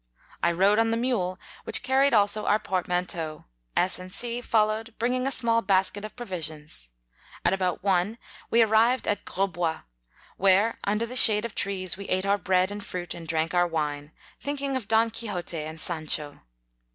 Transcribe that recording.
I rode on the mule, which carried also our portman teau ; S and C followed, bring ing a small basket of provisions. At about one we arrived at Gros Bois, where, under the shade of trees, we ate our bread and fruit, and drank our wine, thinking of Don Quixote and Sancho.